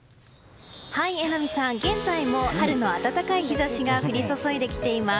榎並さん、現在も春の暖かい日差しが降り注いできています。